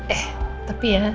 eh tapi ya